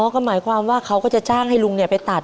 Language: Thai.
ก็หมายความว่าเขาก็จะจ้างให้ลุงไปตัด